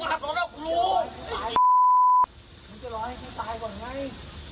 พูดแล้วมึงก็จะมาหามึงเลยเอง